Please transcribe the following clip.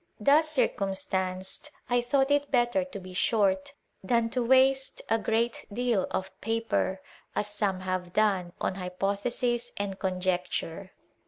Thus circumstanced, I thought it better to be short than to waste a great deal of paper, as some have done, in hypothesis and conjecture.